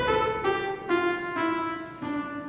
yang ini sudah lama